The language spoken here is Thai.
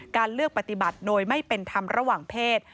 การเลือกปฏิบัติโดยไม่เป็นธรรมระหว่างเพศ